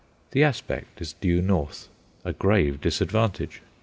The aspect is due north a grave disadvantage.